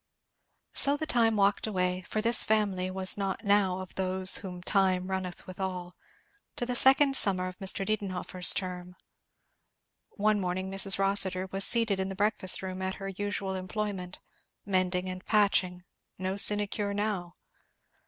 So the time walked away, for this family was not now of those "whom time runneth withal," to the second summer of Mr. Didenhover's term. One morning Mrs. Rossitur was seated in the breakfast room at her usual employment, mending and patching; no sinecure now.